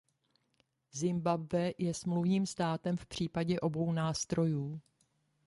Zimbabwe je smluvním státem v případě obou nástrojů.